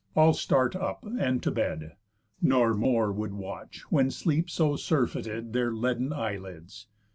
All start up, and to bed, Nor more would watch, when sleep so surfeited Their leaden eye lids.